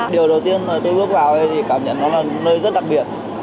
điều đầu tiên tôi bước vào thì cảm nhận nó là nơi rất đặc biệt